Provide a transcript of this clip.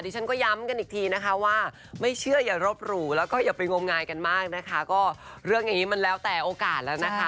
ฉันก็ย้ำกันอีกทีนะคะว่าไม่เชื่ออย่ารบหรูแล้วก็อย่าไปงมงายกันมากนะคะก็เรื่องอย่างนี้มันแล้วแต่โอกาสแล้วนะคะ